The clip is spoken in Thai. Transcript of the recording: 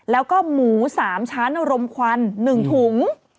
แล้วก็หมู๓ชั้นอารมณ์ควัน๑ถุง